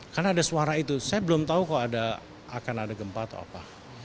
karena ada suara itu saya belum tahu kok akan ada gempa atau apa